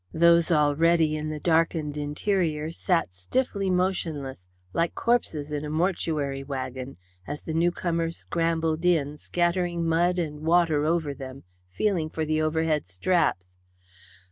Those already in the darkened interior sat stiffly motionless, like corpses in a mortuary wagon, as the new comers scrambled in, scattering mud and water over them, feeling for the overhead straps.